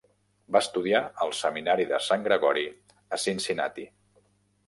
Va estudiar al Seminari de Sant Gregori a Cincinnati.